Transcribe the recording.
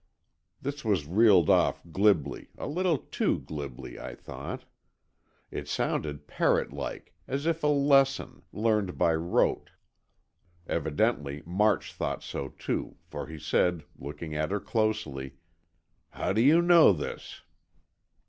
This was reeled off glibly, a little too glibly, I thought. It sounded parrot like, as if a lesson, learned by rote. Evidently March thought so too, for he said, looking at her closely: "How do you know this?"